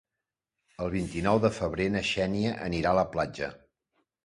El vint-i-nou de febrer na Xènia anirà a la platja.